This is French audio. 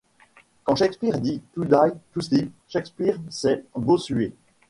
Quand Shakespeare dit : To die, to sleep, Shakespeare, c’est Bossuet.